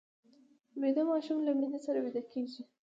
ویده ماشوم له مینې سره ویده کېږي